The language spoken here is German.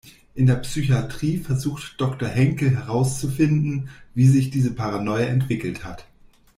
In der Psychiatrie versucht Doktor Henkel herauszufinden, wie sich diese Paranoia entwickelt hat.